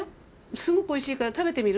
すごくおいしいから食べてみる？